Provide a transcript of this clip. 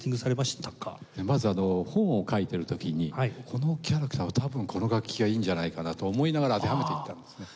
まず本を書いている時にこのキャラクターは多分この楽器がいいんじゃないかなと思いながら当てはめていったんですね。